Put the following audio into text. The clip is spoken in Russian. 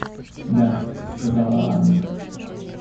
Да, — сказала Анна.